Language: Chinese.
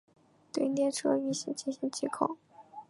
对列车运行进行集中控制。